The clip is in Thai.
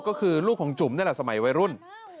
ก็คือลูกของจุ๋มนั่นแหละสมัยวัยรุ่น